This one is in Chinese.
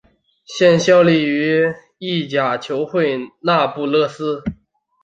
现效力于意甲球会那不勒斯。